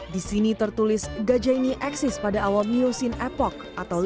di sini tertulis gajah ini eksis pada awal miosin epoch